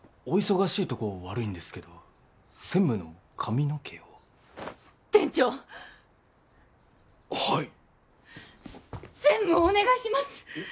お忙しいとこ悪いんですけど専務の髪の毛を店長っはいっ専務をお願いします